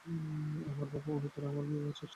আমার বাবা অন্যত্র আমার বিবাহের চেষ্টা করলেন।